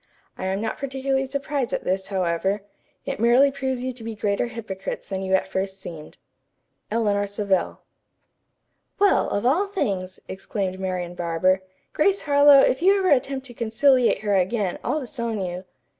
I am not particularly surprised at this, however. It merely proves you to be greater hypocrites than you at first seemed. "ELEANOR SAVELL." "Well, of all things!" exclaimed Marian Barber. "Grace Harlowe, if you ever attempt to conciliate her again, I'll disown you."